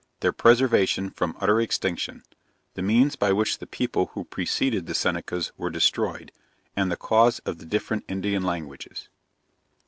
Their Preservation from utter extinction. The Means by which the People who preceded the Senecas were destroyed and the Cause of the different Indian Languages.